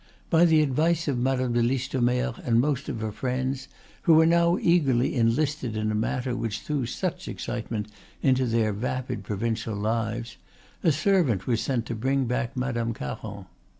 By the advice of Madame de Listomere and most of her friends, who were now eagerly enlisted in a matter which threw such excitement into their vapid provincial lives, a servant was sent to bring back Monsieur Caron.